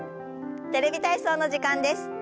「テレビ体操」の時間です。